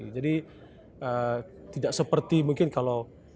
jadi tidak seperti mungkin kalau